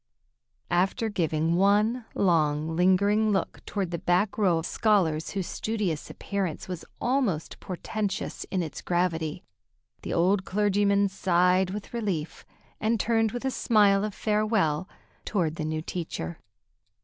After giving one long, lingering look toward the back row of scholars whose studious appearance was almost portentous in its gravity, the old clergyman sighed with relief and turned with a smile of farewell toward the new teacher.